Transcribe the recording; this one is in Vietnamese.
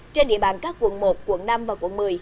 trên địa bàn các quận một quận năm và quận một mươi